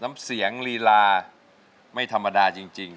น้ำเสียงลีลาไม่ธรรมดาจริง